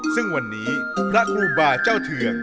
ซึ่งวันนี้พระครูบาเจ้าเทือง